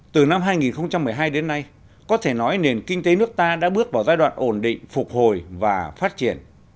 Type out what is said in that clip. từ năm hai nghìn một mươi hai đến nay có thể nói nền kinh tế nước ta đã bước vào giai đoạn ổn định phục hồi và phát triển